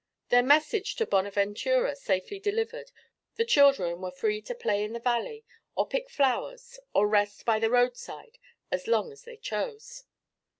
Their message to Bonaventura safely delivered the children were free to play in the valley or pick flowers or rest by the roadside as long as they chose.